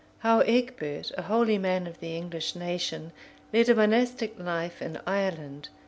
How Egbert, a holy man of the English nation, led a monastic life in Ireland.